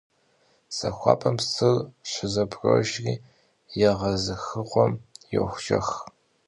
Zaxuap'em psır şızebgrojj, yêğezıxığuem — yojjex.